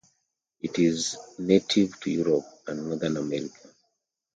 It is native to Europe and Northern America.